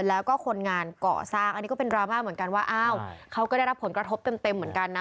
แล้วก็คนงานก่อสร้างอันนี้ก็เป็นดราม่าเหมือนกันว่าอ้าวเขาก็ได้รับผลกระทบเต็มเหมือนกันนะ